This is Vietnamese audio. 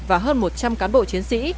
và hơn một trăm linh cán bộ chiến sĩ